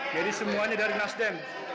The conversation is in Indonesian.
jadi semuanya dari nasdem